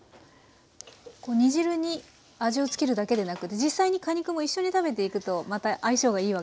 煮汁に味を付けるだけでなく実際に果肉も一緒に食べていくとまた相性がいいわけですね。